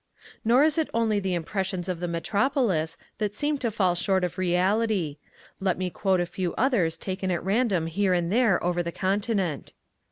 Nor is it only the impressions of the metropolis that seem to fall short of reality. Let me quote a few others taken at random here and there over the continent.